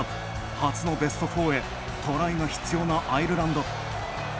初のベスト４へトライが必要なアイルランド。